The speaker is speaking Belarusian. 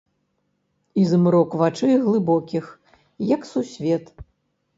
І змрок вачэй, глыбокіх, як сусвет.